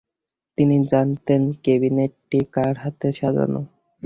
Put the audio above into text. তিনি জানতেন কেবিনেটটি কার হাতে সাজানো।